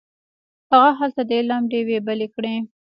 هغه هلته د علم ډیوې بلې کړې.